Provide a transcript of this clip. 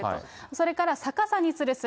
それから逆さにつるす。